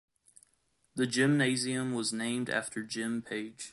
The gymnasium was named after Jim Page.